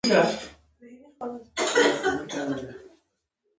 په حقیقت کې هیڅ سفیر نه دی لېږل سوی.